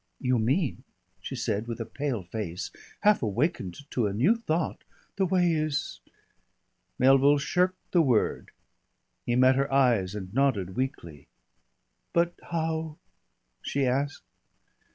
"You mean," she said, with a pale face, half awakened to a new thought, "the way is ?" Melville shirked the word. He met her eyes and nodded weakly. "But how ?" she asked.